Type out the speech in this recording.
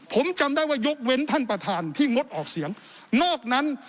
ผมจำได้ว่ายกเว้นท่านประธานที่งดออกเสียงนอกนั้น